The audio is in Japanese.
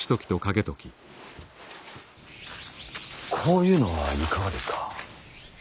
こういうのはいかがですか。